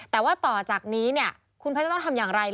แต่ว่าต่อจากนี้คุณแพทย์จะต้องทำอย่างไร